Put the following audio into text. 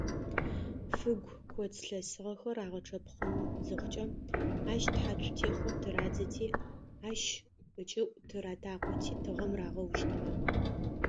Фыгу, коц лъэсыгъэхэр агъэчъэпхъын зыхъукӏэ, ащ тхьацу техъор тырадзэти ащ ыкӏыӏу тыратакъоти тыгъэм рагъэущтыгъэ.